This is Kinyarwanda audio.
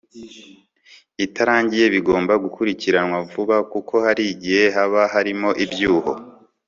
itarangiye bigomba gukurikiranwa vuba kuko hari igihe haba harimo ibyuho